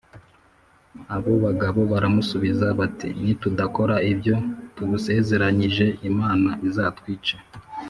Abo bagabo baramusubiza bati nitudakora ibyo tugusezeranyije imana izatwice